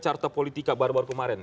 carta politika baru baru kemarin